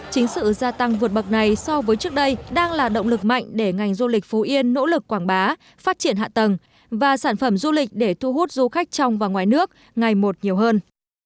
chính sự gia tăng vượt bậc này so với trước đây đang là động lực mạnh để ngành du lịch phú yên nỗ lực quảng bá phát triển hạ tầng và sản phẩm du lịch để thu hút du khách trong và ngoài nước ngày một nhiều hơn